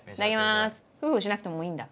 ふふしなくてもういいんだ。